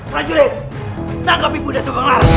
pak jurit tangkap ibu desa bang lara